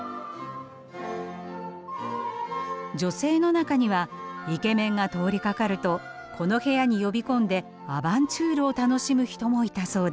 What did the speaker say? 女性の中にはイケメンが通りかかるとこの部屋に呼び込んでアバンチュールを楽しむ人もいたそうです。